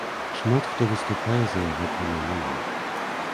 Шмат хто выступае за яго прымяненне.